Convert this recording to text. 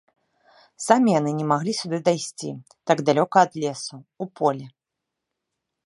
Самі яны не маглі сюды дайсці так далёка ад лесу, у поле.